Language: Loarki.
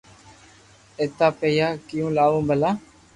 ايتا پيئا ڪيو لاو ڀلا